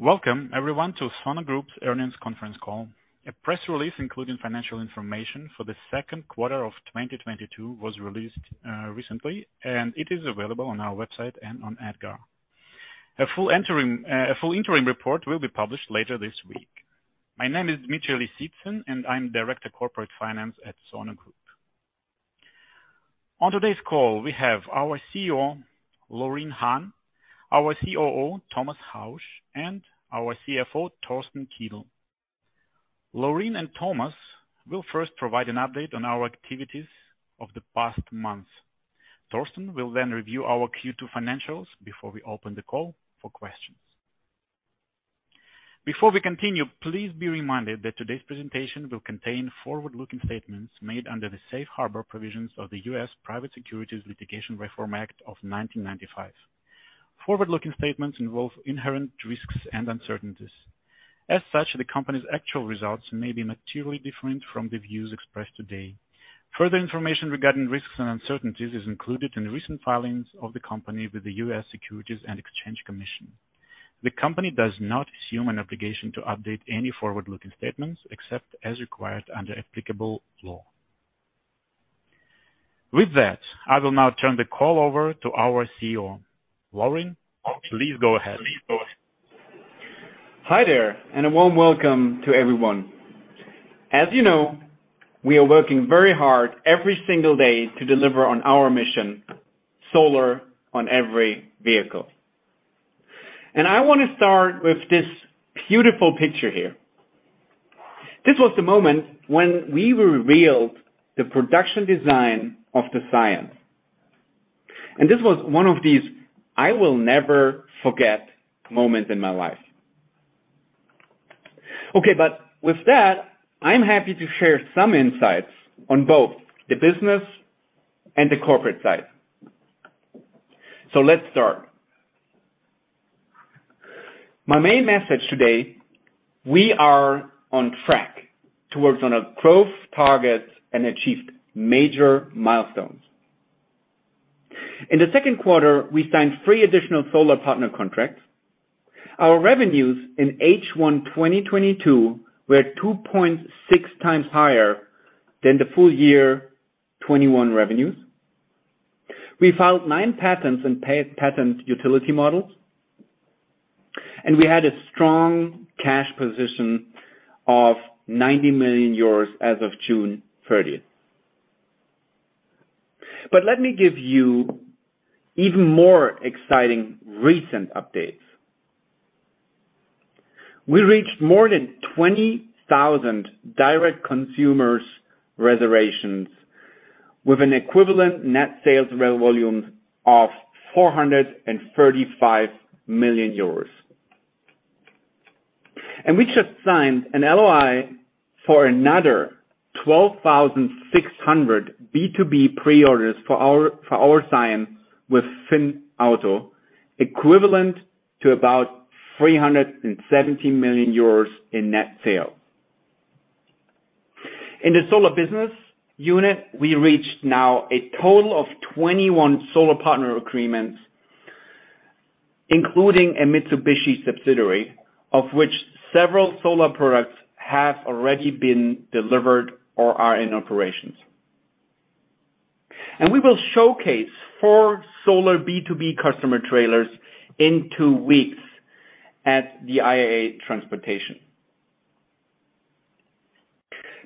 Welcome everyone to Sono Group's Earnings Conference Call. A press release including financial information for the second quarter of 2022 was released recently, and it is available on our website and on EDGAR. A full interim report will be published later this week. My name is Dmitry Lisitsyn, and I'm Director, Corporate Finance at Sono Group. On today's call, we have our CEO, Laurin Hahn, our COO, Thomas Hausch, and our CFO, Torsten Kiedel. Laurin and Thomas will first provide an update on our activities of the past months. Torsten will then review our Q2 financials before we open the call for questions. Before we continue, please be reminded that today's presentation will contain forward-looking statements made under the Safe Harbor provisions of the U.S. Private Securities Litigation Reform Act of 1995. Forward-looking statements involve inherent risks and uncertainties. As such, the company's actual results may be materially different from the views expressed today. Further information regarding risks and uncertainties is included in recent filings of the company with the U.S. Securities and Exchange Commission. The company does not assume an obligation to update any forward-looking statements except as required under applicable law. With that, I will now turn the call over to our CEO. Laurin, please go ahead. Hi there, a warm welcome to everyone. As you know, we are working very hard every single day to deliver on our mission, solar on every vehicle. I wanna start with this beautiful picture here. This was the moment when we revealed the production design of the Sion. This was one of these I will never forget moments in my life. Okay. With that, I'm happy to share some insights on both the business and the corporate side. Let's start. My main message today, we are on track towards on our growth targets and achieved major milestones. In the second quarter, we signed three additional solar partner contracts. Our revenues in H1 2022 were 2.6 times higher than the full year 2021 revenues. We filed nine patents and patent utility models, and we had a strong cash position of 90 million euros as of June 30th. Let me give you even more exciting recent updates. We reached more than 20,000 direct consumers reservations with an equivalent net sales revenue volume of 435 million euros. We just signed an LOI for another 12,600 B2B preorders for our Sion with FINN, equivalent to about 370 million euros in net sales. In the solar business unit, we reached now a total of 21 solar partner agreements, including a Mitsubishi subsidiary of which several solar products have already been delivered or are in operations. We will showcase four solar B2B customer trailers in two weeks at the IAA Transportation.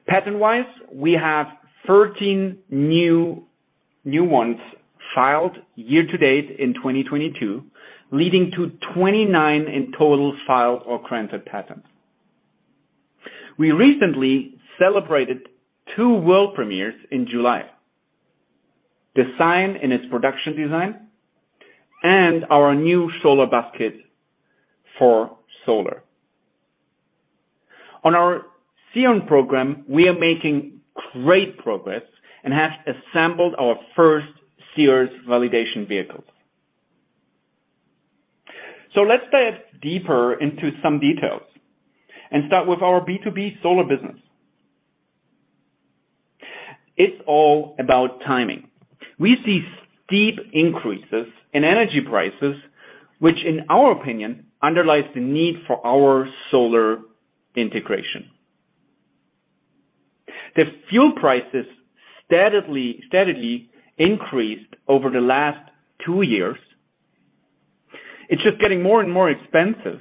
Patent-wise, we have 13 new ones filed year to date in 2022, leading to 29 in total filed or granted patents. We recently celebrated two world premieres in July. Sion in its production design and our new Solar Bus Kit for solar. On our Sion program, we are making great progress and have assembled our first Sion validation vehicles. Let's dive deeper into some details and start with our B2B solar business. It's all about timing. We see steep increases in energy prices, which in our opinion, underlies the need for our solar integration. The fuel prices steadily increased over the last two years. It's just getting more and more expensive.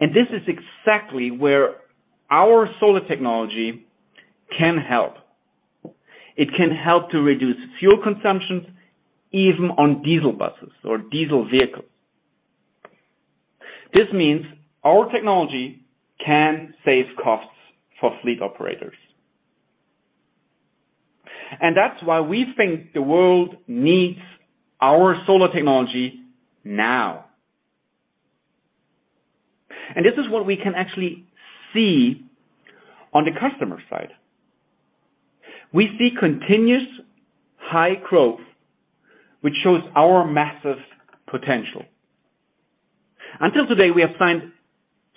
This is exactly where our solar technology can help. It can help to reduce fuel consumption, even on diesel buses or diesel vehicles. This means our technology can save costs for fleet operators. That's why we think the world needs our solar technology now. This is what we can actually see on the customer side. We see continuous high growth, which shows our massive potential. Until today, we have signed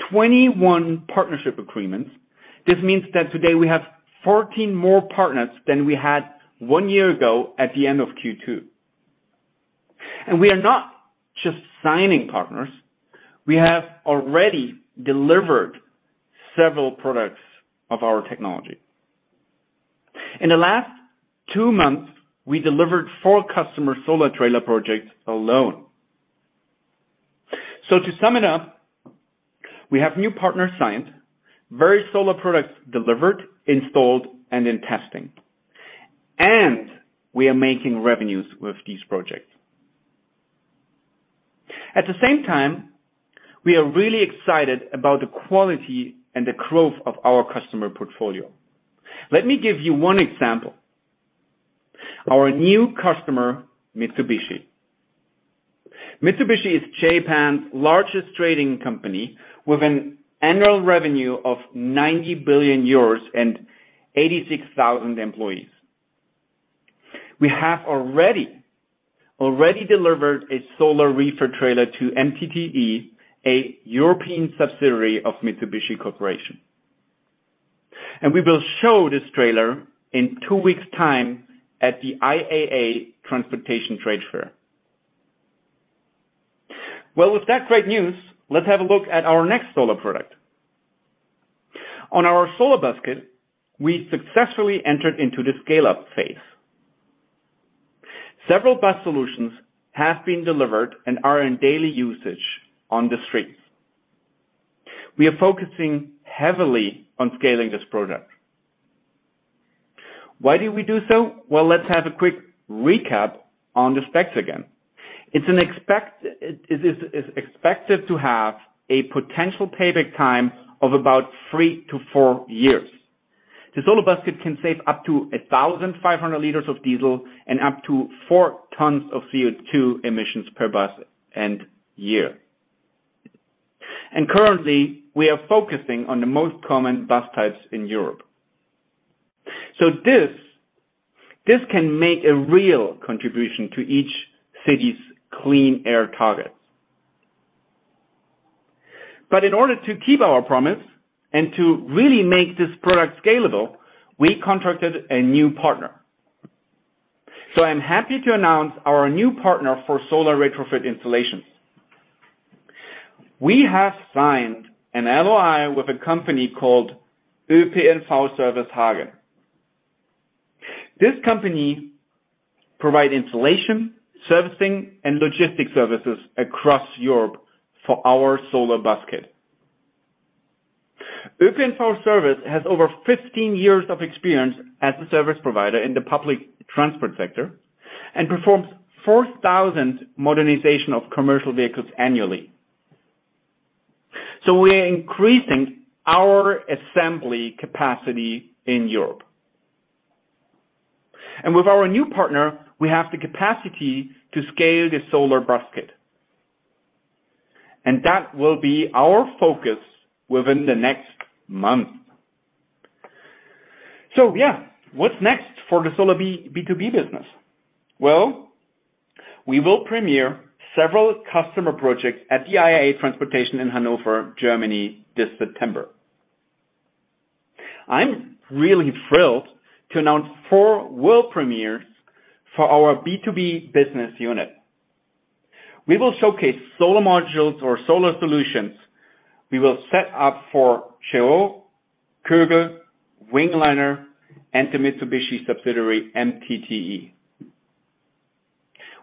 21 partnership agreements. This means that today we have 14 more partners than we had one year ago at the end of Q2. We are not just signing partners. We have already delivered several products of our technology. In the last two months, we delivered four customer solar trailer projects alone. To sum it up, we have new partners signed, various solar products delivered, installed, and in testing, and we are making revenues with these projects. At the same time, we are really excited about the quality and the growth of our customer portfolio. Let me give you one example, our new customer, Mitsubishi. Mitsubishi is Japan's largest trading company, with an annual revenue of 90 billion euros and 86,000 employees. We have already delivered a solar reefer trailer to MTTE, a European subsidiary of Mitsubishi Corporation. We will show this trailer in two weeks time at the IAA Transportation Trade Fair. Well, with that great news, let's have a look at our next solar product. On our Solar Bus Kit, we successfully entered into the scale-up phase. Several bus solutions have been delivered and are in daily usage on the streets. We are focusing heavily on scaling this product. Why do we do so? Well, let's have a quick recap on the specs again. It is expected to have a potential payback time of about three to four years. The solar bus kit can save up to 1,500 L of diesel and up to 4 tons of CO2 emissions per bus and year. Currently, we are focusing on the most common bus types in Europe. This can make a real contribution to each city's clean air targets. In order to keep our promise and to really make this product scalable, we contracted a new partner. I'm happy to announce our new partner for solar retrofit installations. We have signed an LOI with a company called ÖPNV-Service Hagen. This company provide installation, servicing, and logistics services across Europe for our solar bus kit. ÖPNV Service has over 15 years of experience as a service provider in the public transport sector and performs 4,000 modernization of commercial vehicles annually. We are increasing our assembly capacity in Europe. With our new partner, we have the capacity to scale the solar bus kit, and that will be our focus within the next month. Yeah, what's next for the solar B2B business? Well, we will premiere several customer projects at the IAA Transportation in Hanover, Germany, this September. I'm really thrilled to announce four world premieres for our B2B business unit. We will showcase solar modules or solar solutions we will set up for Chery, Kögel, Wingliner, and the Mitsubishi subsidiary, MTTE.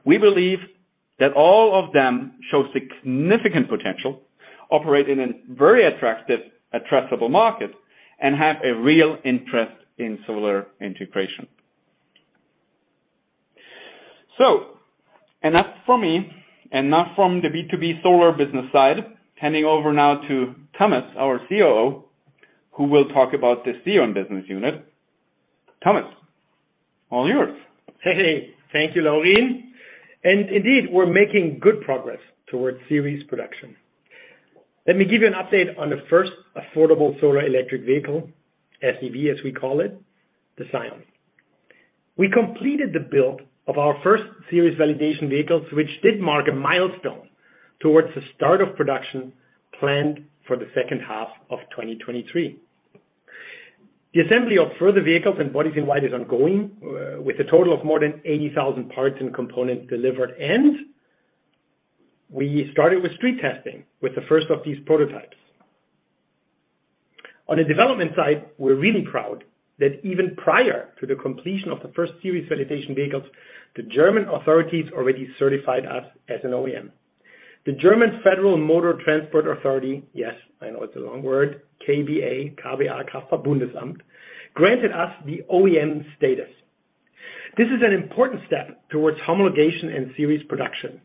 We believe that all of them show significant potential, operate in a very attractive addressable market, and have a real interest in solar integration. Enough from me, enough from the B2B solar business side. Handing over now to Thomas, our COO, who will talk about the Sion business unit. Thomas, all yours. Hey. Thank you, Laurin. Indeed, we're making good progress towards series production. Let me give you an update on the first affordable solar electric vehicle, SEV, as we call it, the Sion. We completed the build of our first series validation vehicles, which did mark a milestone towards the start of production planned for the second half of 2023. The assembly of further vehicles and bodies in white is ongoing, with a total of more than 80,000 parts and components delivered, and we started with street testing with the first of these prototypes. On the development side, we're really proud that even prior to the completion of the first series validation vehicles, the German authorities already certified us as an OEM. The German Federal Motor Transport Authority, yes, I know it's a long word, KBA, K-B-A, Kraftfahrt-Bundesamt, granted us the OEM status. This is an important step towards homologation and series production.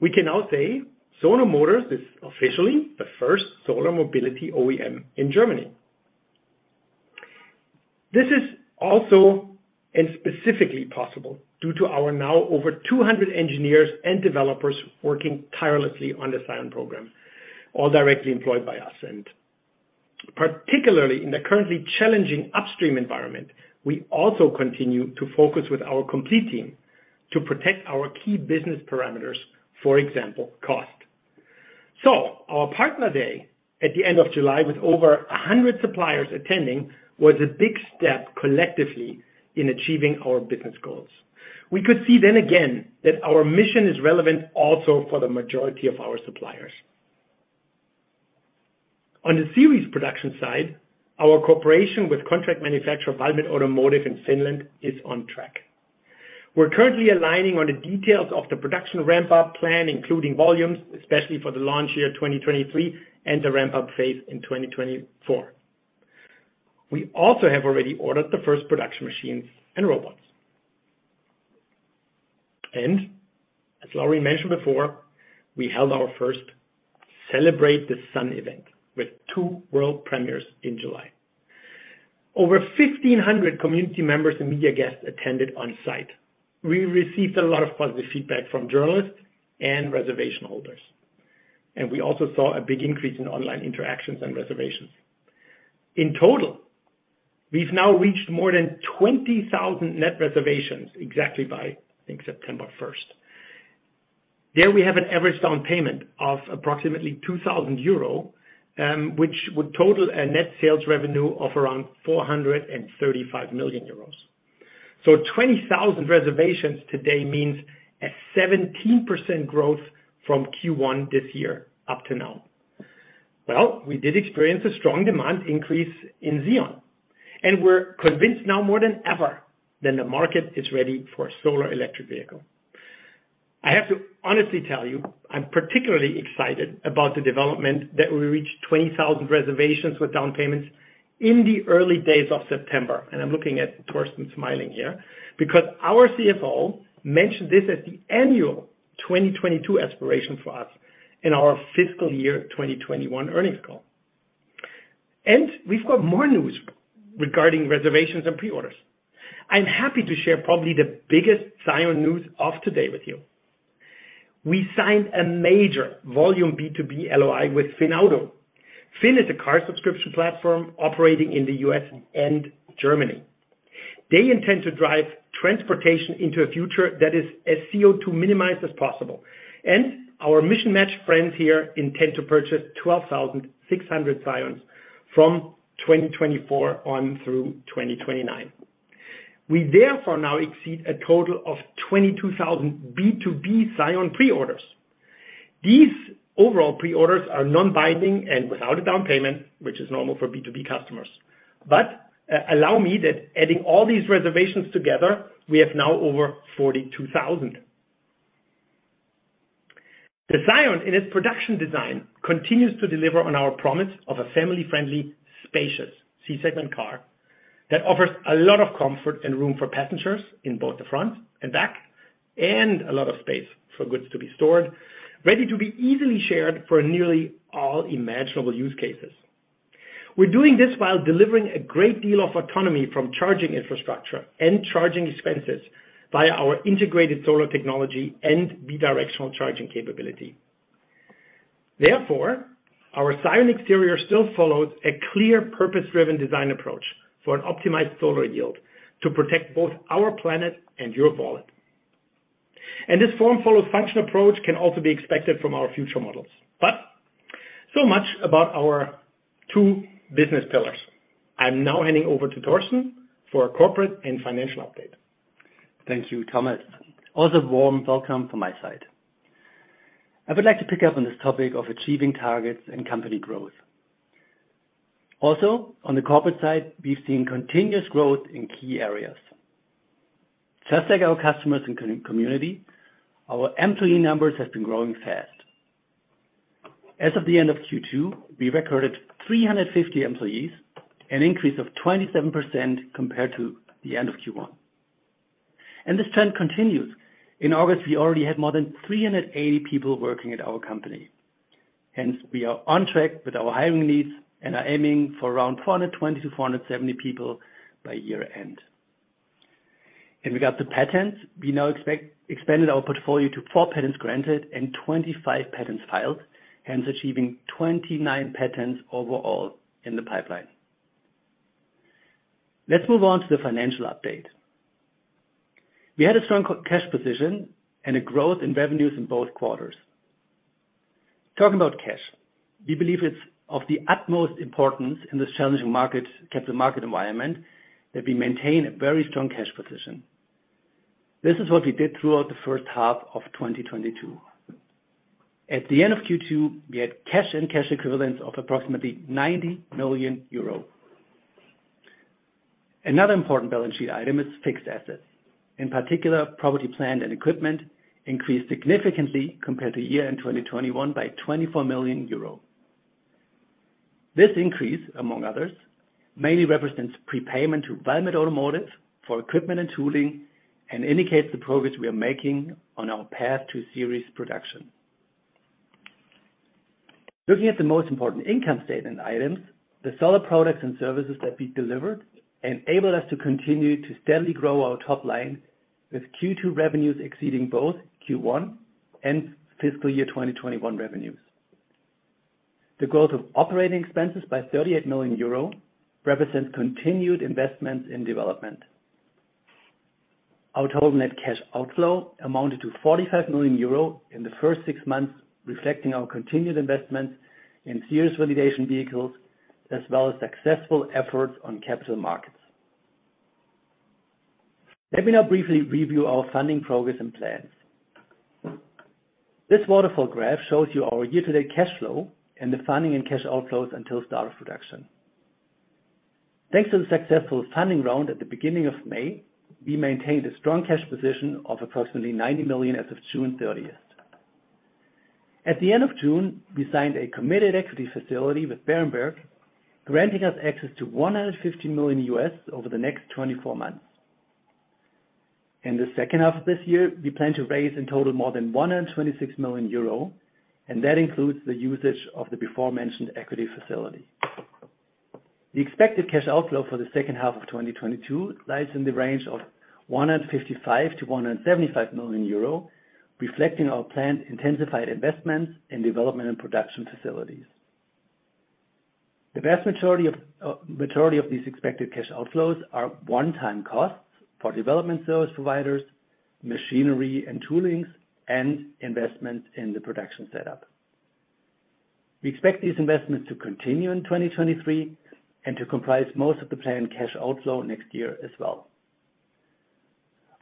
We can now say, Sono Motors is officially the first solar mobility OEM in Germany. This is also, and specifically possible, due to our now over 200 engineers and developers working tirelessly on the Sion program, all directly employed by us. Particularly in the currently challenging upstream environment, we also continue to focus with our complete team to protect our key business parameters, for example, cost. Our partner day at the end of July with over 100 suppliers attending, was a big step collectively in achieving our business goals. We could see then again that our mission is relevant also for the majority of our suppliers. On the series production side, our cooperation with contract manufacturer, Valmet Automotive in Finland, is on track. We're currently aligning on the details of the production ramp-up plan, including volumes, especially for the launch year 2023, and the ramp-up phase in 2024. We also have already ordered the first production machines and robots. As Laurin mentioned before, we held our first Celebrate the Sun event with two world premieres in July. Over 1,500 community members and media guests attended on site. We received a lot of positive feedback from journalists and reservation holders. We also saw a big increase in online interactions and reservations. In total, we've now reached more than 20,000 net reservations exactly by, I think, September 1st. There we have an average down payment of approximately 2,000 euro, which would total a net sales revenue of around 435 million euros. Twenty thousand reservations today means a 17% growth from Q1 this year up to now. Well, we did experience a strong demand increase in Sion, and we're convinced now more than ever that the market is ready for a solar electric vehicle. I have to honestly tell you, I'm particularly excited about the development that we reached 20,000 reservations with down payments in the early days of September. I'm looking at Torsten smiling here, because our CFO mentioned this as the annual 2022 aspiration for us in our fiscal year 2021 earnings call. We've got more news regarding reservations and pre-orders. I'm happy to share probably the biggest Sion news of today with you. We signed a major volume B2B LOI with FINN. FINN is a car subscription platform operating in the U.S. and Germany. They intend to drive transportation into a future that is as CO2 minimized as possible. Our mission match friends here intend to purchase 12,600 Sions from 2024 on through 2029. We therefore now exceed a total of 22,000 B2B Sion pre-orders. These overall pre-orders are non-binding and without a down payment, which is normal for B2B customers. Allow me to add all these reservations together, we have now over 42,000. The Sion in its production design continues to deliver on our promise of a family-friendly, spacious C-segment car that offers a lot of comfort and room for passengers in both the front and back, and a lot of space for goods to be stored, ready to be easily shared for nearly all imaginable use cases. We're doing this while delivering a great deal of autonomy from charging infrastructure and charging expenses via our integrated solar technology and bidirectional charging capability. Therefore, our Sion exterior still follows a clear purpose-driven design approach for an optimized solar yield to protect both our planet and your wallet. This form follows function approach can also be expected from our future models. So much about our two business pillars. I'm now handing over to Torsten for a corporate and financial update. Thank you, Thomas. Warm welcome from my side. I would like to pick up on this topic of achieving targets and company growth. On the corporate side, we've seen continuous growth in key areas. Just like our customers and community, our employee numbers has been growing fast. As of the end of Q2, we recorded 350 employees, an increase of 27% compared to the end of Q1. This trend continues. In August, we already had more than 380 people working at our company. Hence, we are on track with our hiring needs and are aiming for around 420-470 people by year-end. In regard to patents, we now expect expanded our portfolio to four patents granted and 25 patents filed, hence achieving 29 patents overall in the pipeline. Let's move on to the financial update. We had a strong cash position and a growth in revenues in both quarters. Talking about cash, we believe it's of the utmost importance in this challenging market, capital market environment that we maintain a very strong cash position. This is what we did throughout the first half of 2022. At the end of Q2, we had cash and cash equivalents of approximately 90 million euro. Another important balance sheet item is fixed assets. In particular, property, plant and equipment increased significantly compared to year-end in 2021 by 24 million euro. This increase, among others, mainly represents prepayment to Valmet Automotive for equipment and tooling, and indicates the progress we are making on our path to series production. Looking at the most important income statement items, the solar products and services that we delivered enable us to continue to steadily grow our top line with Q2 revenues exceeding both Q1 and fiscal year 2021 revenues. The growth of operating expenses by 38 million euro represents continued investments in development. Our total net cash outflow amounted to 45 million euro in the first six months, reflecting our continued investment in series validation vehicles, as well as successful efforts on capital markets. Let me now briefly review our funding progress and plans. This waterfall graph shows you our year-to-date cash flow and the funding and cash outflows until start of production. Thanks to the successful funding round at the beginning of May, we maintained a strong cash position of approximately 90 million as of June 30th. At the end of June, we signed a committed equity facility with Berenberg, granting us access to $150 million over the next 24 months. In the second half of this year, we plan to raise in total more than 126 million euro, and that includes the usage of the before mentioned equity facility. The expected cash outflow for the second half of 2022 lies in the range of 155 million-175 million euro, reflecting our planned intensified investments in development and production facilities. The vast majority of these expected cash outflows are one-time costs for development service providers, machinery and toolings, and investments in the production setup. We expect these investments to continue in 2023 and to comprise most of the planned cash outflow next year as well.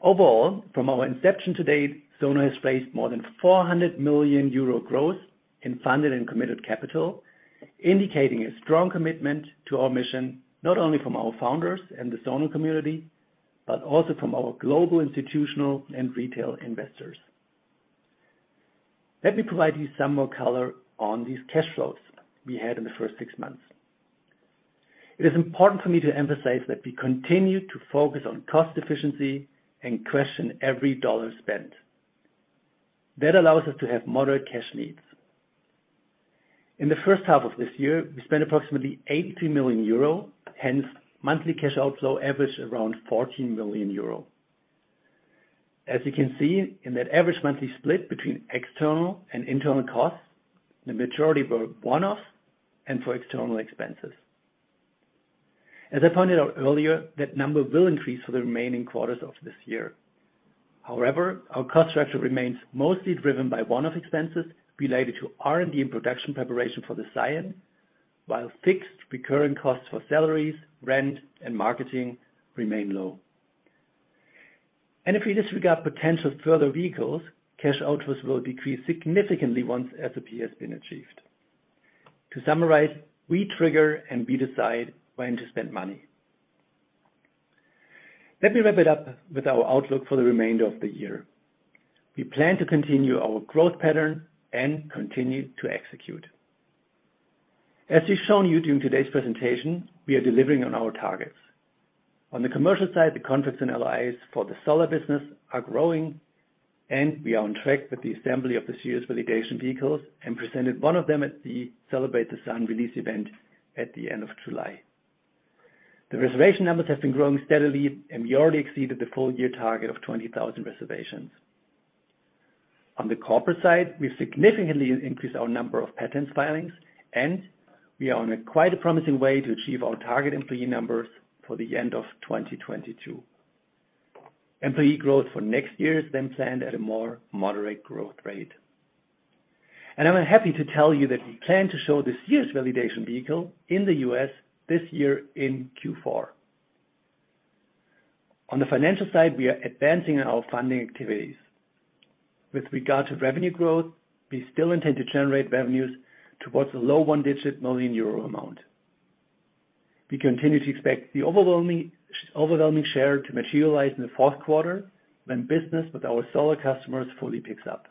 Overall, from our inception to date, Sono has raised more than 400 million euro gross in funded and committed capital, indicating a strong commitment to our mission, not only from our founders and the Sono community, but also from our global institutional and retail investors. Let me provide you some more color on these cash flows we had in the first six months. It is important for me to emphasize that we continue to focus on cost efficiency and question every dollar spent. That allows us to have moderate cash needs. In the first half of this year, we spent approximately 83 million euro, hence monthly cash outflow averaged around 14 million euro. As you can see in that average monthly split between external and internal costs, the majority were one-off and for external expenses. As I pointed out earlier, that number will increase for the remaining quarters of this year. However, our cost structure remains mostly driven by one-off expenses related to R&D and production preparation for the Sion, while fixed recurring costs for salaries, rent, and marketing remain low. If we disregard potential further vehicles, cash outflows will decrease significantly once SOP has been achieved. To summarize, we trigger and we decide when to spend money. Let me wrap it up with our outlook for the remainder of the year. We plan to continue our growth pattern and continue to execute. As we've shown you during today's presentation, we are delivering on our targets. On the commercial side, the contracts and alliances for the solar business are growing, and we are on track with the assembly of the series validation vehicles and presented one of them at the Celebrate the Sun release event at the end of July. The reservation numbers have been growing steadily, and we already exceeded the full-year target of 20,000 reservations. On the corporate side, we significantly increased our number of patent filings, and we are on a quite promising way to achieve our target employee numbers for the end of 2022. Employee growth for next year is then planned at a more moderate growth rate. I'm happy to tell you that we plan to show this year's validation vehicle in the U.S. this year in Q4. On the financial side, we are advancing our funding activities. With regard to revenue growth, we still intend to generate revenues towards a low one-digit million euro amount. We continue to expect the overwhelming share to materialize in the fourth quarter when business with our solar customers fully picks up.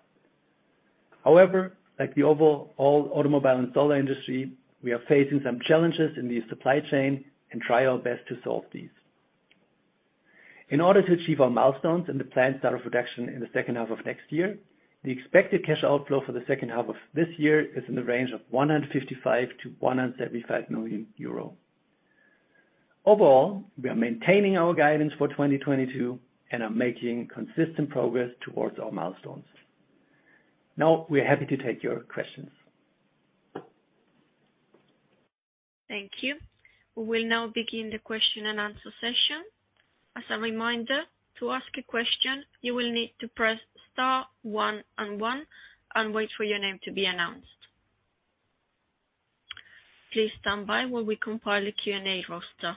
However, like the overall automobile and solar industry, we are facing some challenges in the supply chain and try our best to solve these. In order to achieve our milestones and the planned start of production in the second half of next year, the expected cash outflow for the second half of this year is in the range of 155 million-175 million euro. Overall, we are maintaining our guidance for 2022 and are making consistent progress towards our milestones. Now we are happy to take your questions. Thank you. We will now begin the question and answer session. As a reminder, to ask a question, you will need to press star one and one and wait for your name to be announced. Please stand by while we compile a Q&A roster.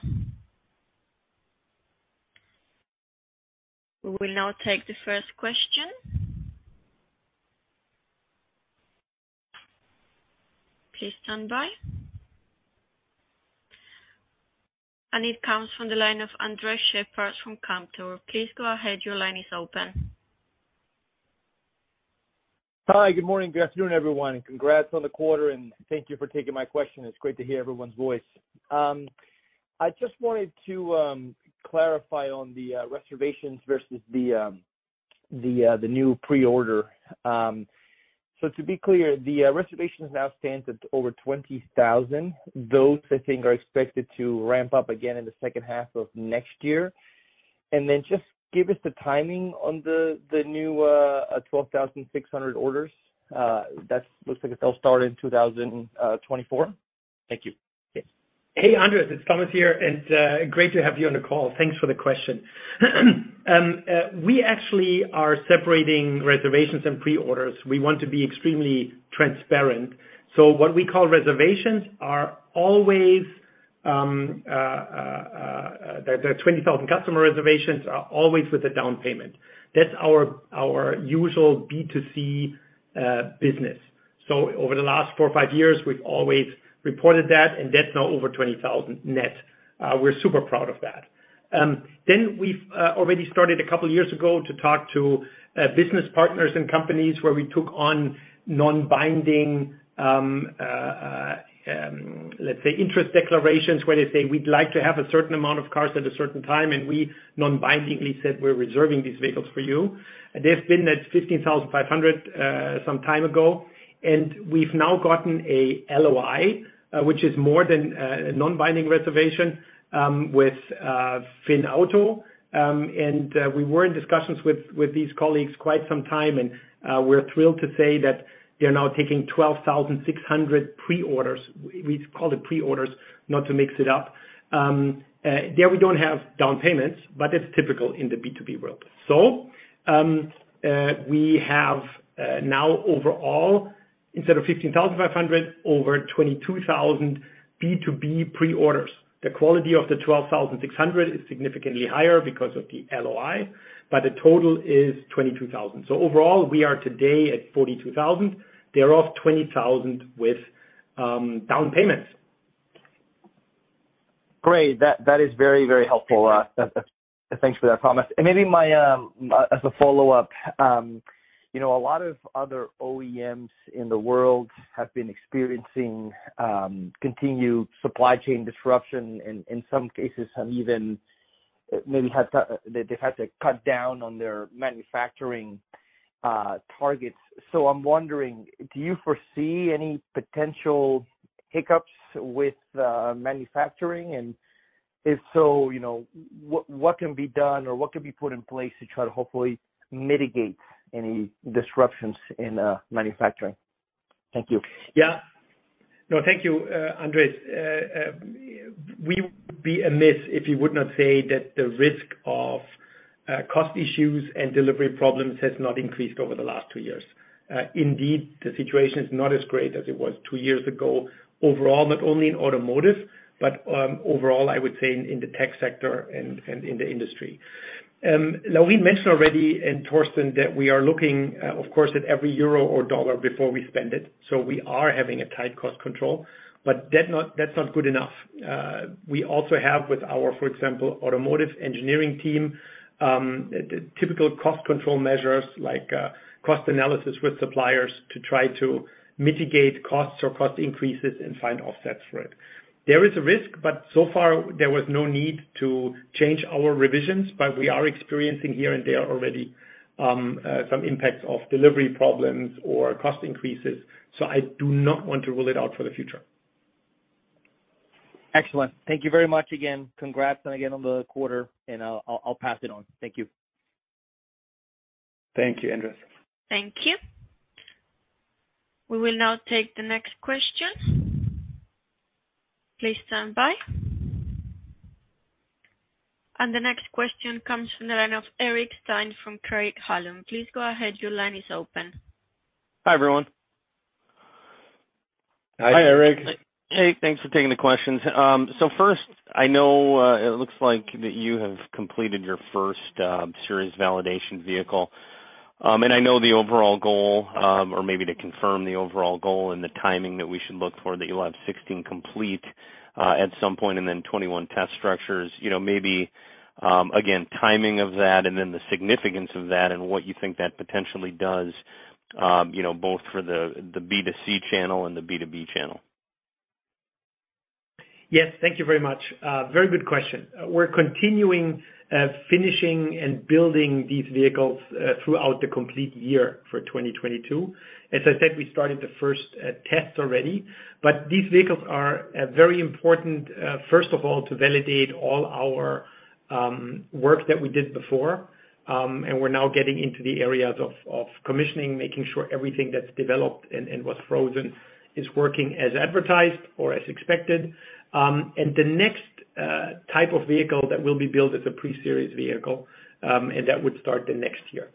We will now take the first question. Please stand by. It comes from the line of Andres Sheppard from Cantor. Please go ahead. Your line is open. Hi, good morning. Good afternoon, everyone, and congrats on the quarter, and thank you for taking my question. It's great to hear everyone's voice. I just wanted to clarify on the reservations versus the new pre-order. So to be clear, the reservations now stands at over 20,000. Those, I think, are expected to ramp up again in the second half of next year. Just give us the timing on the new 12,600 orders. That looks like it will start in 2024? Thank you. Hey, Andres, it's Thomas here, great to have you on the call. Thanks for the question. We actually are separating reservations and pre-orders. We want to be extremely transparent. What we call reservations are always the 20,000 customer reservations are always with a down payment. That's our usual B2C business. Over the last four or five years, we've always reported that, and that's now over 20,000 net. We're super proud of that. We've already started a couple years ago to talk to business partners and companies where we took on non-binding, let's say interest declarations, where they say, "We'd like to have a certain amount of cars at a certain time," and we non-bindingly said, "We're reserving these vehicles for you." They've been at 15,500 some time ago, and we've now gotten a LOI, which is more than a non-binding reservation, with FINN. We were in discussions with these colleagues quite some time and we're thrilled to say that they're now taking 12,600 pre-orders. We call them pre-orders not to mix it up. There, we don't have down payments, but it's typical in the B2B world. we have now overall, instead of 15,500, over 22,000 B2B pre-orders. The quality of the 12,600 is significantly higher because of the LOI, but the total is 22,000. Overall, we are today at 42,000. There are 20,000 with down payments. Great. That is very, very helpful. Thanks for that, Thomas. Maybe as a follow-up, you know, a lot of other OEMs in the world have been experiencing continued supply chain disruption, and in some cases have even had to cut down on their manufacturing targets. I'm wondering, do you foresee any potential hiccups with manufacturing? If so, you know, what can be done or what can be put in place to try to hopefully mitigate any disruptions in manufacturing? Thank you. Yeah. No, thank you, Andres. We would be remiss if you would not say that the risk of cost issues and delivery problems has not increased over the last two years. Indeed, the situation is not as great as it was two years ago overall, not only in automotive, but overall, I would say in the tech sector and in the industry. Now we mentioned already and Torsten that we are looking, of course, at every euro or dollar before we spend it, so we are having a tight cost control, but that's not good enough. We also have with our, for example, automotive engineering team, typical cost control measures like cost analysis with suppliers to try to mitigate costs or cost increases and find offsets for it. There is a risk, but so far there was no need to change our revisions, but we are experiencing here and there already, some impacts of delivery problems or cost increases, so I do not want to rule it out for the future. Excellent. Thank you very much again. Congrats again on the quarter and I'll pass it on. Thank you. Thank you, Andres. Thank you. We will now take the next question. Please stand by. The next question comes from the line of Eric Stine from Craig-Hallum. Please go ahead. Your line is open. Hi, everyone. Hi, Eric. Hey, thanks for taking the questions. First, I know it looks like that you have completed your first series validation vehicle. I know the overall goal, or maybe to confirm the overall goal and the timing that we should look for, that you'll have 16 complete at some point and then 21 test structures. You know, maybe again, timing of that and then the significance of that and what you think that potentially does, you know, both for the B2C channel and the B2B channel. Yes. Thank you very much. Very good question. We're continuing, finishing and building these vehicles, throughout the complete year for 2022. As I said, we started the first test already, but these vehicles are very important, first of all, to validate all our work that we did before. We're now getting into the areas of commissioning, making sure everything that's developed and was frozen is working as advertised or as expected. The next type of vehicle that will be built is a pre-series vehicle, and that would start the next year.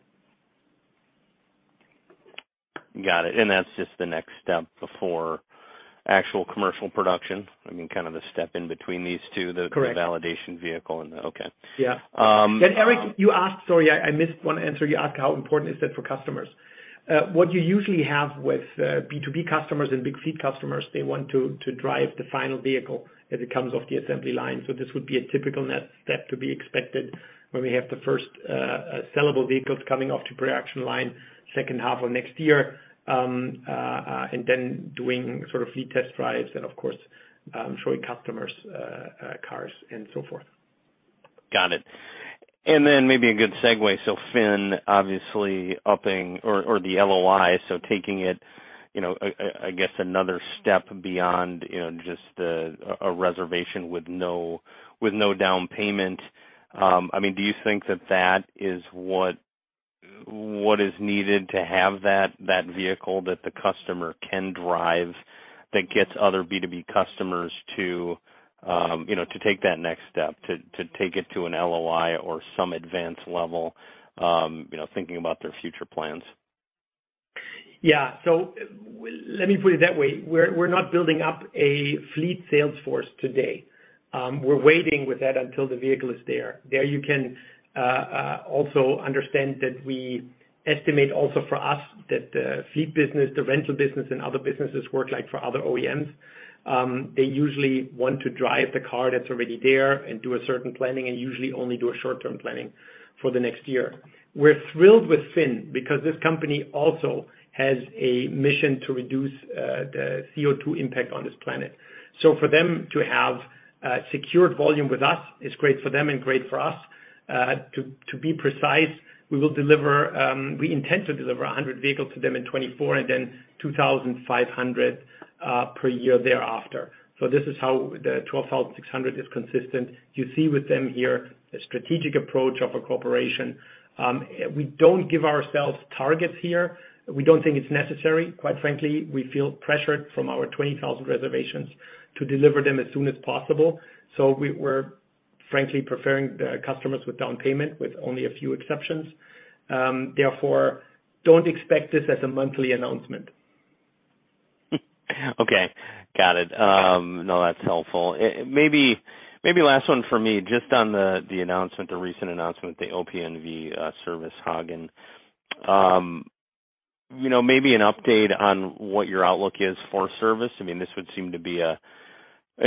Got it. That's just the next step before actual commercial production. I mean, kind of the step in between these two. Correct. Okay. Yeah. Um- Eric, you asked. Sorry, I missed one answer. You asked how important is that for customers. What you usually have with B2B customers and big fleet customers, they want to drive the final vehicle as it comes off the assembly line. This would be a typical next step to be expected when we have the first sellable vehicles coming off the production line second half of next year. Then doing sort of fleet test drives and of course, showing customers cars and so forth. Got it. Then maybe a good segue. FINN obviously upping or the LOI, taking it, you know, I guess another step beyond, you know, just a reservation with no down payment. I mean, do you think that is what is needed to have that vehicle that the customer can drive that gets other B2B customers to, you know, to take that next step, to take it to an LOI or some advanced level, you know, thinking about their future plans? Yeah. Let me put it that way. We're not building up a fleet sales force today. We're waiting with that until the vehicle is there. There you can also understand that we estimate also for us that the fleet business, the rental business and other businesses work like for other OEMs. They usually want to drive the car that's already there and do a certain planning, and usually only do a short-term planning for the next year. We're thrilled with FINN because this company also has a mission to reduce the CO2 impact on this planet. For them to have secured volume with us is great for them and great for us. To be precise, we intend to deliver 100 vehicles to them in 2024, and then 2,500 per year thereafter. This is how the 12,600 is consistent. You see with them here a strategic approach of a corporation. We don't give ourselves targets here. We don't think it's necessary. Quite frankly, we feel pressured from our 20,000 reservations to deliver them as soon as possible. We're frankly preferring the customers with down payment with only a few exceptions. Therefore, don't expect this as a monthly announcement. Okay, got it. No, that's helpful. Maybe last one for me, just on the announcement, the recent announcement, the ÖPNV-Service Hagen. You know, maybe an update on what your outlook is for service. I mean, this would seem to be an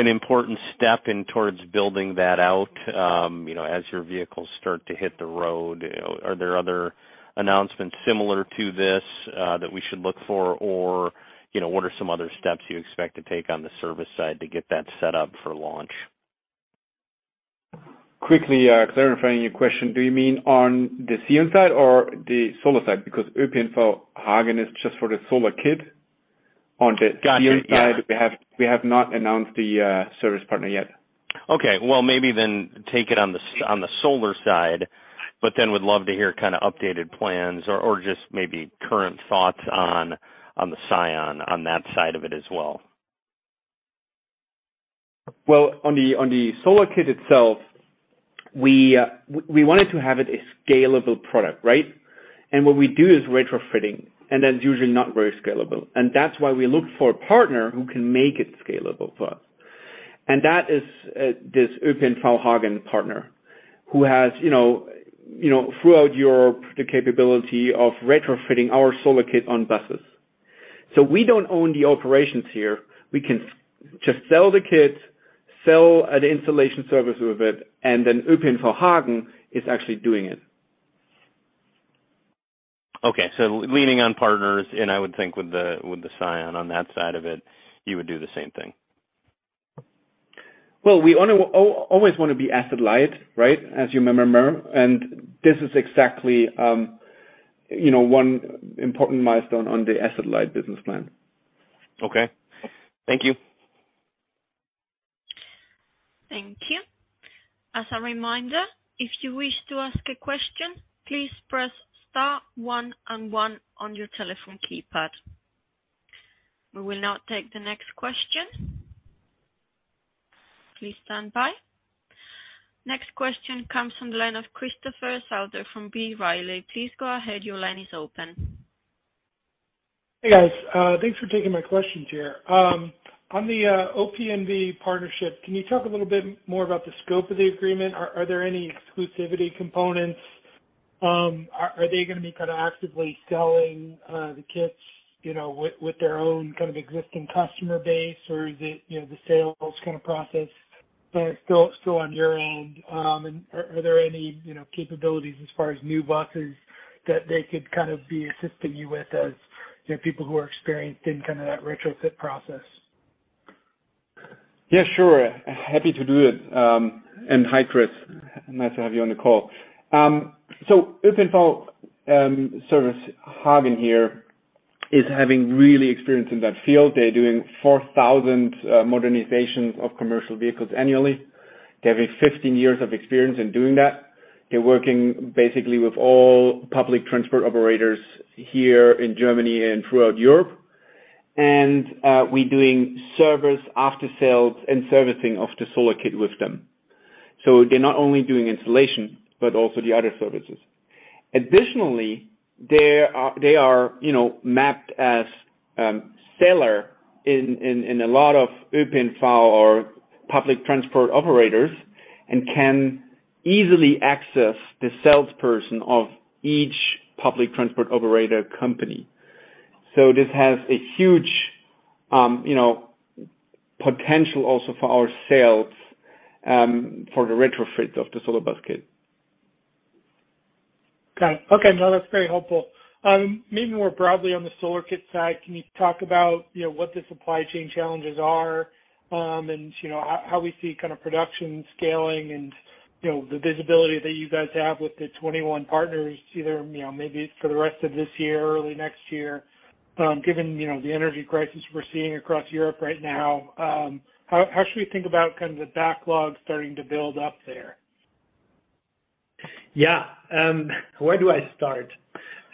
important step towards building that out, you know, as your vehicles start to hit the road. Are there other announcements similar to this that we should look for? Or, you know, what are some other steps you expect to take on the service side to get that set up for launch? Quickly, clarifying your question. Do you mean on the Sion side or the solar side? Because ÖPNV Hagen is just for the solar kit. On the Sion side. Got it. We have not announced the service partner yet. Okay. Well, maybe then take it on the solar side, but would love to hear kinda updated plans or just maybe current thoughts on the Sion on that side of it as well. Well, on the solar kit itself, we wanted to have it a scalable product, right? What we do is retrofitting, and that's usually not very scalable. That's why we look for a partner who can make it scalable for us. That is this ÖPNV Hagen partner, who has, you know, throughout Europe, the capability of retrofitting our solar kit on buses. We don't own the operations here. We can just sell the kit, sell an installation service with it, and then ÖPNV Hagen is actually doing it. Okay. Leaning on partners, and I would think with the Sion on that side of it, you would do the same thing. Well, we always wanna be asset-light, right, as you remember. This is exactly, you know, one important milestone on the asset-light business plan. Okay. Thank you. Thank you. As a reminder, if you wish to ask a question, please press star one and one on your telephone keypad. We will now take the next question. Please stand by. Next question comes from the line of Christopher Souther from B. Riley. Please go ahead. Your line is open. Hey, guys. Thanks for taking my question, chair. On the ÖPNV partnership, can you talk a little bit more about the scope of the agreement? Are there any exclusivity components? Are they gonna be kinda actively selling the kits, you know, with their own kind of existing customer base? Or is it the sales kinda process still on your end? Are there any capabilities as far as new buses that they could kind of be assisting you with as people who are experienced in kinda that retrofit process? Yeah, sure. Happy to do it. Hi, Chris. Nice to have you on the call. ÖPNV-Service Hagen here has real experience in that field. They're doing 4,000 modernizations of commercial vehicles annually. They have 15 years of experience in doing that. They're working basically with all public transport operators here in Germany and throughout Europe. We're doing service after sales and servicing of the solar kit with them. They're not only doing installation, but also the other services. Additionally, they are you know mapped as seller in a lot of ÖPNV or public transport operators and can easily access the salesperson of each public transport operator company. This has a huge you know potential also for our sales for the retrofit of the Solar Bus Kit. Got it. Okay. No, that's very helpful. Maybe more broadly on the solar kit side, can you talk about, you know, what the supply chain challenges are, and, you know, how we see kinda production scaling and, you know, the visibility that you guys have with the 21 partners, either, you know, maybe for the rest of this year or early next year? Given, you know, the energy crisis we're seeing across Europe right now, how should we think about kind of the backlog starting to build up there? Yeah. Where do I start?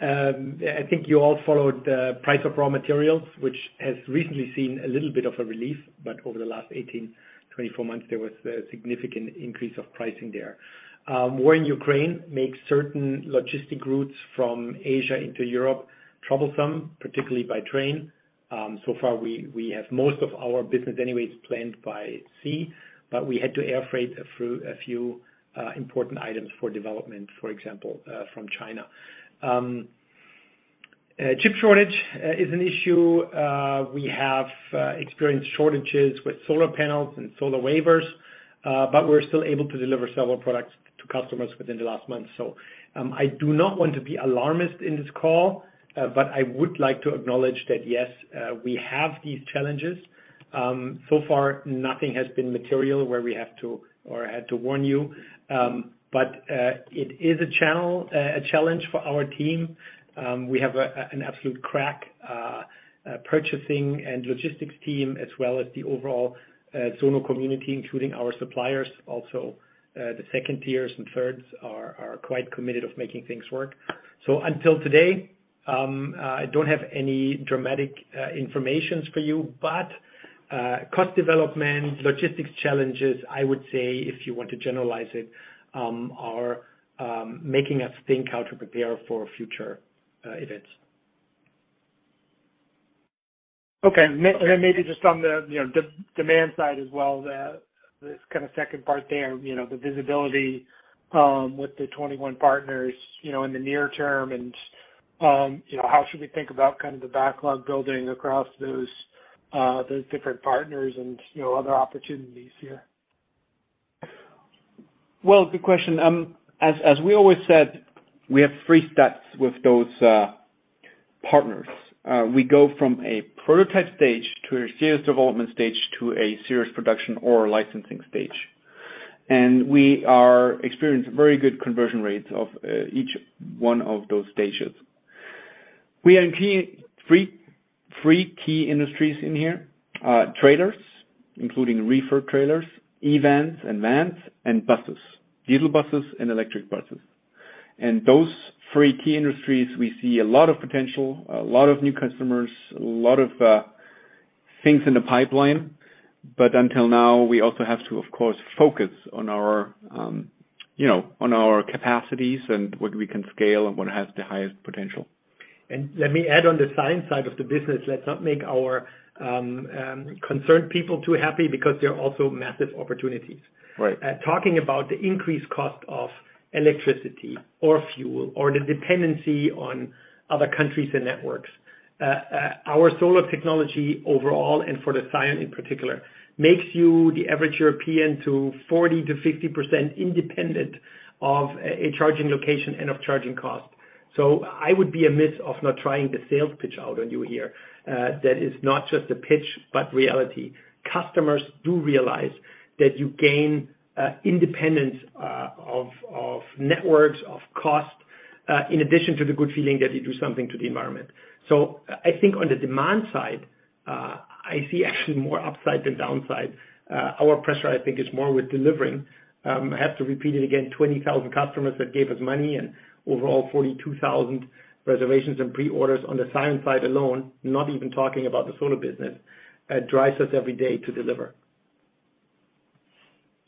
I think you all followed the price of raw materials, which has recently seen a little bit of a relief, but over the last 18 to 24 months, there was a significant increase of pricing there. War in Ukraine makes certain logistic routes from Asia into Europe troublesome, particularly by train. So far we have most of our business anyways planned by sea, but we had to air freight a few important items for development, for example, from China. Chip shortage is an issue. We have experienced shortages with solar panels and solar wafers, but we're still able to deliver several products to customers within the last month. I do not want to be alarmist in this call, but I would like to acknowledge that, yes, we have these challenges. So far nothing has been material where we have to or had to warn you. It is a challenge for our team. We have an absolute crack purchasing and logistics team, as well as the overall Sono community, including our suppliers also. The second tiers and thirds are quite committed to making things work. Until today, I don't have any dramatic information for you, but cost development, logistics challenges, I would say, if you want to generalize it, are making us think how to prepare for future events. Okay. Maybe just on the, you know, demand side as well, this kind of second part there, you know, the visibility with the 21 partners, you know, in the near term and, you know, how should we think about kind of the backlog building across those different partners and, you know, other opportunities here? Well, good question. As we always said, we have three steps with those partners. We go from a prototype stage to a serious development stage to a serious production or licensing stage. We are experienced very good conversion rates of each one of those stages. We are in three key industries here, trailers, including reefer trailers, eVans and vans and buses, diesel buses and electric buses. Those three key industries, we see a lot of potential, a lot of new customers, a lot of things in the pipeline. Until now, we also have to, of course, focus on our, you know, on our capacities and what we can scale and what has the highest potential. Let me add on the Sion side of the business. Let's not make our concerned people too happy because there are also massive opportunities. Right. Talking about the increased cost of electricity or fuel or the dependency on other countries and networks. Our solar technology overall, and for the Sion in particular, makes the average European 40%-50% independent of a charging location and of charging cost. I would be amiss if not trying the sales pitch out on you here. That is not just a pitch, but reality. Customers do realize that you gain independence of networks, of cost, in addition to the good feeling that you do something to the environment. I think on the demand side, I see actually more upside than downside. Our pressure, I think, is more with delivering. I have to repeat it again, 20,000 customers that gave us money and overall 42,000 reservations and pre-orders on the Sion side alone, not even talking about the solar business. It drives us every day to deliver.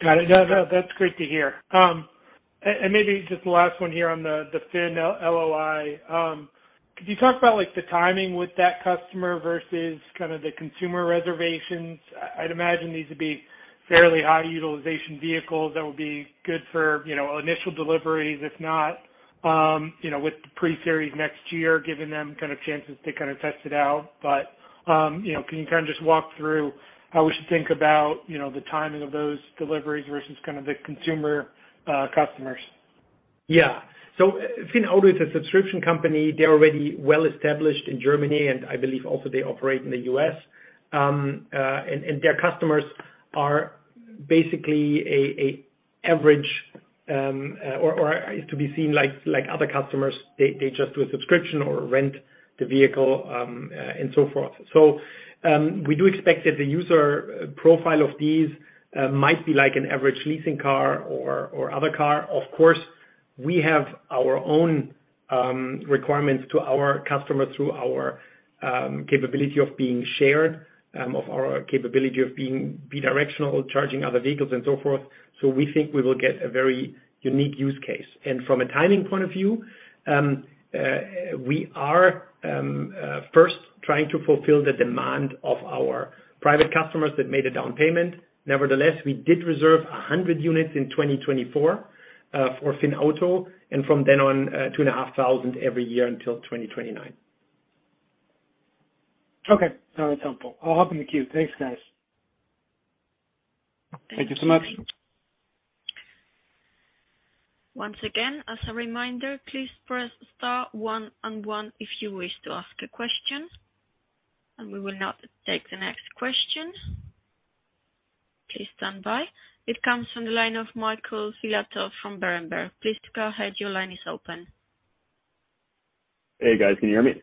Got it. No, no, that's great to hear. And maybe just the last one here on the FINN LOI. Could you talk about like the timing with that customer versus kind of the consumer reservations? I'd imagine these would be fairly high utilization vehicles that would be good for, you know, initial deliveries, if not, you know, with the pre-series next year, giving them kind of chances to kind of test it out. You know, can you kind of just walk through how we should think about, you know, the timing of those deliveries versus kind of the consumer customers? Yeah. FINN is a subscription company. They're already well established in Germany, and I believe also they operate in the U.S. Their customers are basically an average or is to be seen like other customers. They just do a subscription or rent the vehicle and so forth. We do expect that the user profile of these might be like an average leasing car or other car. Of course, we have our own requirements to our customers through our capability of being shared, of our capability of being bi-directional charging other vehicles and so forth. We think we will get a very unique use case. From a timing point of view, we are first trying to fulfill the demand of our private customers that made a down payment. Nevertheless, we did reserve 100 units in 2024 for FINN, and from then on, 2,500 every year until 2029. Okay. No, that's helpful. I'll hop in the queue. Thanks, guys. Thank you so much. Once again, as a reminder, please press star one on one if you wish to ask a question. We will now take the next question. Please stand by. It comes from the line of Michael Filatov from Berenberg. Please go ahead. Your line is open. Hey, guys. Can you hear me?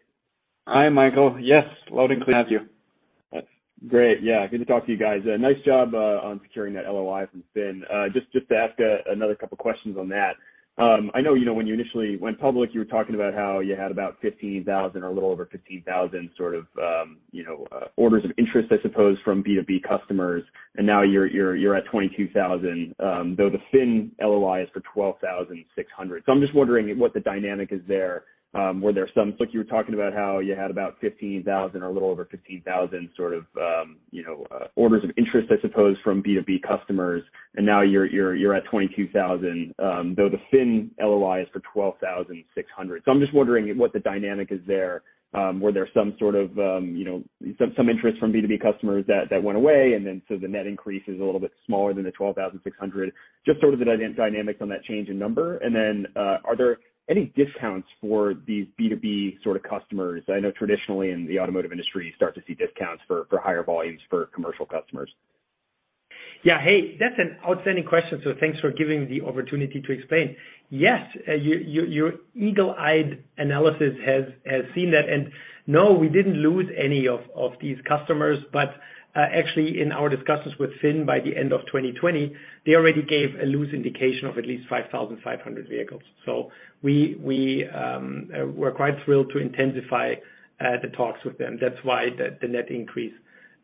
Hi, Michael. Yes. Loud and clear with you. Great. Yeah. Good to talk to you guys. Nice job on securing that LOI from FINN. Just to ask another couple questions on that. I know, you know, when you initially went public, you were talking about how you had about 15,000 or a little over 15,000 sort of, you know, orders of interest, I suppose, from B2B customers, and now you're at 22,000, though the FINN LOI is for 12,600. So I'm just wondering what the dynamic is there. Were there some. Like you were talking about how you had about 15,000 or a little over 15,000 sort of, you know, orders of interest, I suppose, from B2B customers, and now you're at 22,000, though the FINN LOI is for 12,600. I'm just wondering what the dynamic is there. Were there some sort of interest from B2B customers that went away, and then so the net increase is a little bit smaller than 12,600? Just sort of the dynamics on that change in number. Are there any discounts for these B2B sort of customers? I know traditionally in the automotive industry, you start to see discounts for higher volumes for commercial customers. Hey, that's an outstanding question, so thanks for giving the opportunity to explain. Yes, your eagle-eyed analysis has seen that, and no, we didn't lose any of these customers. Actually, in our discussions with FINN by the end of 2020, they already gave a loose indication of at least 5,500 vehicles. We're quite thrilled to intensify the talks with them. That's why the net increase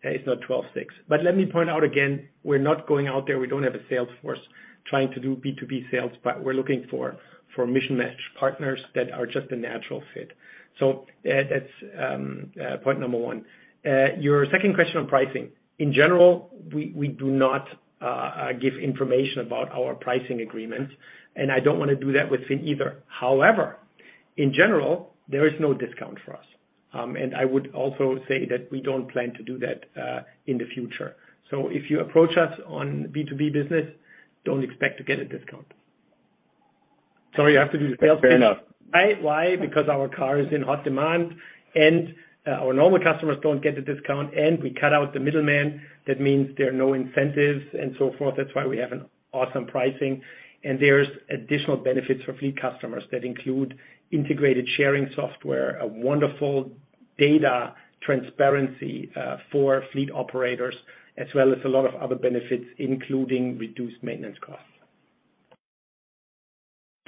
is not 12.6. Let me point out again, we're not going out there, we don't have a sales force trying to do B2B sales, but we're looking for mission match partners that are just a natural fit. That's point number one. Your second question on pricing. In general, we do not give information about our pricing agreements, and I don't wanna do that with FINN either. However, in general, there is no discount for us. I would also say that we don't plan to do that in the future. If you approach us on B2B business, don't expect to get a discount. Sorry, I have to do the sales pitch. Fair enough. Why? Because our car is in hot demand, and our normal customers don't get the discount, and we cut out the middleman. That means there are no incentives and so forth. That's why we have an awesome pricing. There's additional benefits for fleet customers that include integrated sharing software, a wonderful data transparency, for fleet operators, as well as a lot of other benefits, including reduced maintenance costs.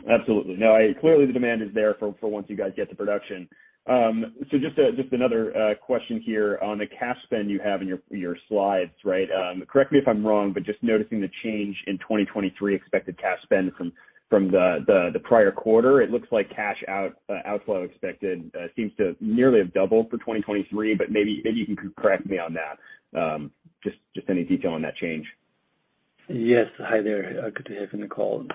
Absolutely. Clearly the demand is there for once you guys get to production. So just another question here on the cash spend you have in your slides, right? Correct me if I'm wrong, but just noticing the change in 2023 expected cash spend from the prior quarter. It looks like cash outflow expected seems to nearly have doubled for 2023, but maybe you can correct me on that. Just any detail on that change. Yes. Hi there. Good to have on the call.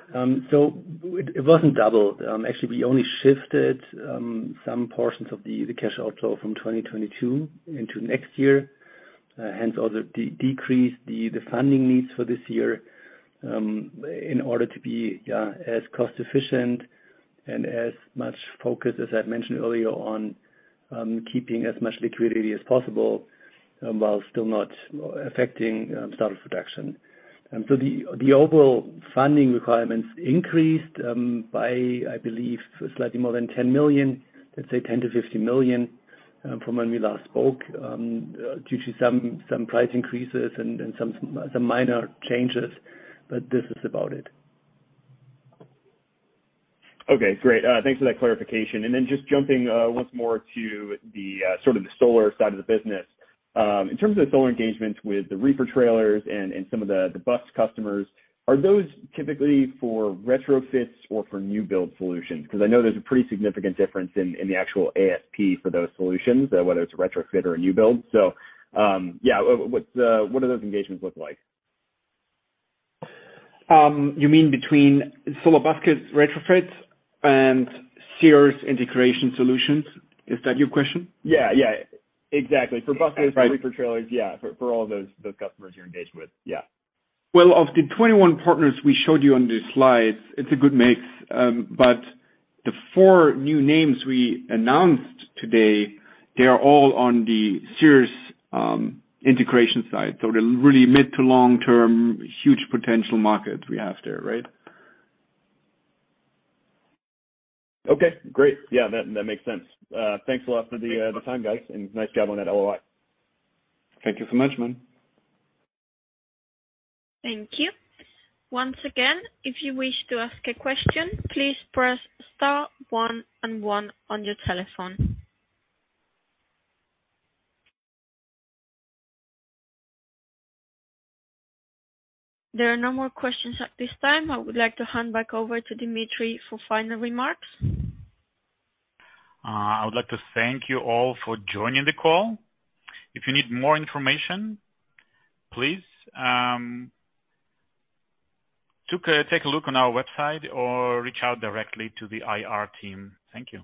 It wasn't doubled. Actually, we only shifted some portions of the cash outflow from 2022 into next year, hence all the decrease in the funding needs for this year, in order to be as cost efficient and as focused, as I mentioned earlier, on keeping as much liquidity as possible, while still not affecting start of production. The overall funding requirements increased, by, I believe, slightly more than 10 million. Let's say 10 million-50 million, from when we last spoke, due to some price increases and some minor changes, but this is about it. Okay, great. Thanks for that clarification. Then just jumping once more to the sort of the solar side of the business. In terms of the solar engagements with the reefer trailers and some of the bus customers, are those typically for retrofits or for new build solutions? 'Cause I know there's a pretty significant difference in the actual ASP for those solutions, whether it's a retrofit or a new build. What do those engagements look like? You mean between solar bus retrofits and Sion integration solutions? Is that your question? Yeah. Exactly. For buses. Right. -reefer trailers. Yeah. For all those customers you're engaged with. Yeah. Well, of the 21 partners we showed you on the slides, it's a good mix. The four new names we announced today, they are all on the serious, integration side. The really mid to long-term huge potential market we have there, right? Okay, great. Yeah, that makes sense. Thanks a lot for the time, guys, and nice job on that LOI. Thank you so much, man. Thank you. Once again, if you wish to ask a question, please press star one and one on your telephone. There are no more questions at this time. I would like to hand back over to Dmitry for final remarks. I would like to thank you all for joining the call. If you need more information, please, take a look on our website or reach out directly to the IR team. Thank you.